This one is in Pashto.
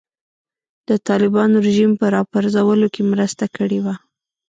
د طالبانو رژیم په راپرځولو کې مرسته کړې وه.